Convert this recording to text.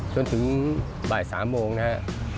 จนถึงบ่าย๓โมงนะครับ